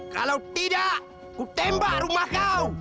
kalau tidak aku tembak rumah kau